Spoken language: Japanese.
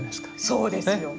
そうですよ。ね。